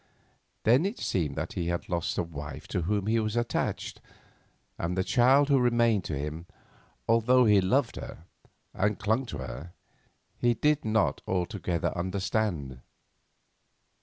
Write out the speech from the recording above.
Then it seemed that he had lost a wife to whom he was attached, and the child who remained to him, although he loved her and clung to her, he did not altogether understand.